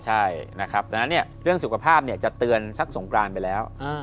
ใช่นะครับดังนั้นเรื่องสุขภาพจะเตือนสักสงกรานไปแล้ว